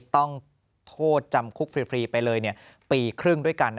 ต้องโทษจำคุกฟรีไปเลยปีครึ่งด้วยกัน